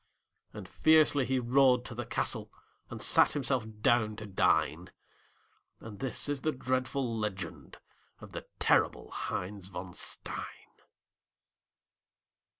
And fiercely he rode to the castle And sat himself down to dine; And this is the dreadful legend Of the terrible Heinz von Stein.